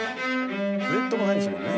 「フレットもないんですもんね」